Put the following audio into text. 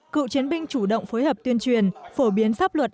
cựu chiến binh chủ động phối hợp tuyên truyền phổ biến pháp luật